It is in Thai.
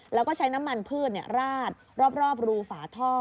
แล้วก็ใช้น้ำมันพืชราดรอบรูฝาท่อ